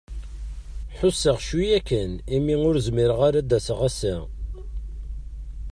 Ḥuseɣ cwiya kan i mi ur zmireɣ ara ad d-aseɣ ass-a.